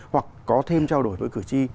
hoặc có thêm trao đổi với cử tri